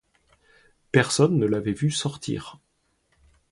Personne ne l'avait vue sortir.